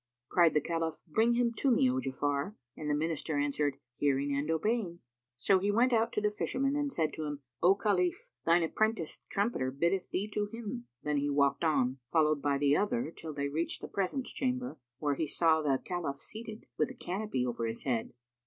Cried the Caliph, "Bring him to me, O Ja'afar;" and the Minister answered, "Hearing and obeying." So he went out to the Fisherman and said to him, "O Khalif, thine apprentice the trumpeter biddeth thee to him;" then he walked on, followed by the other till they reached the presence chamber, where he saw the Caliph seated, with a canopy over his head.